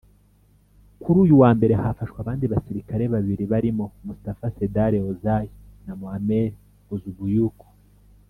Kuri uyu wa Mbere hafashwe abandi basirikare babiri barimo Mustafa Serdar Ozay na Muammer Gozubuyuk